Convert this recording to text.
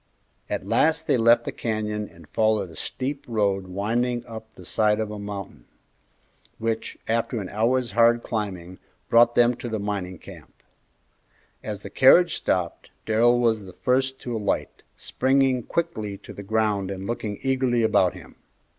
At last they left the canyon and followed a steep road winding up the side of a mountain, which, after an hour's hard climbing, brought them to the mining camp. As the carriage stopped Darrell was the first to alight, springing quickly to the ground and looking eagerly about him.